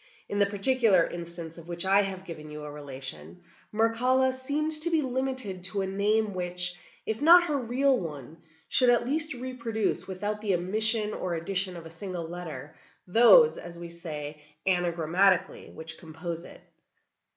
In the particular instance of which I have given you a relation, Mircalla seemed to be limited to a name which, if not her real one, should at least reproduce, without the omission or addition of a single letter, those, as we say, anagrammatically, which compose it.